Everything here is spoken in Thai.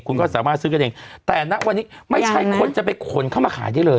คุณก็สามารถซื้อกันเองแต่ณวันนี้ไม่ใช่คนจะไปขนเข้ามาขายได้เลย